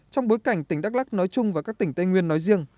trong bối cảnh tỉnh đắk lắc nói chung và các tỉnh tây nguyên nói riêng